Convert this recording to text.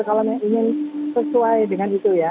kalau ingin sesuai dengan itu ya